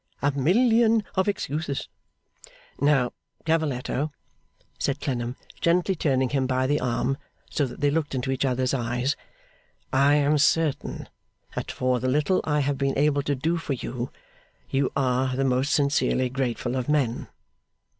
A million of excuses!' 'Now, Cavalletto,' said Clennam, gently turning him by the arm, so that they looked into each other's eyes. 'I am certain that for the little I have been able to do for you, you are the most sincerely grateful of men.